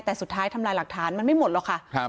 แต่สุดท้ายทำลายหลักฐานมันไม่หมดหรอกค่ะ